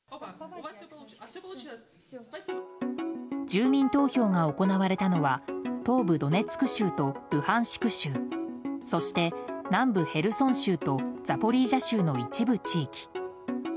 住民投票が行われたのは東部ドネツク州とルハンシク州そして南部ヘルソン州とザポリージャ州の一部地域。